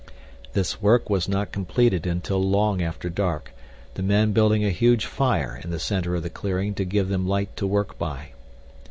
This work was not completed until long after dark, the men building a huge fire in the center of the clearing to give them light to work by.